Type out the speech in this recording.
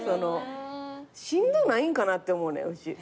しんどないんかなって思うねん。